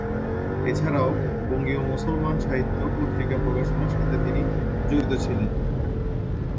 এছাড়াও বঙ্গীয় মুসলমান সাহিত্য পত্রিকা প্রকাশনার সাথে তিনি জড়িত ছিলেন।